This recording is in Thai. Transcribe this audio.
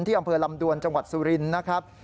อำเภอลำดวนจังหวัดสุรินทร์นะครับ